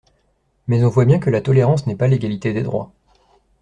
Mais on voit bien que la tolérance n'est pas l'égalité des droits.